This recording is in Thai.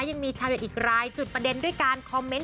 ยังมีชาวเน็ตอีกรายจุดประเด็นด้วยการคอมเมนต